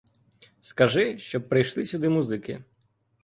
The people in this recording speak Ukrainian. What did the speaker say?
Скажи, щоб прийшли сюди музики.